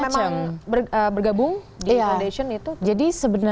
kita juga inginnya para perempuan itu ingat bahwa